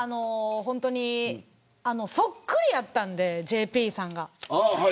本当にそっくりやったんでＪＰさんが。